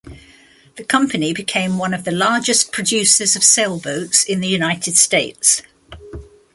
The company became one of the largest producers of sailboats in the United States.